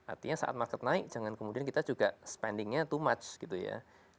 artinya saat market naik jangan kemudian kita juga spendingnya to much gitu ya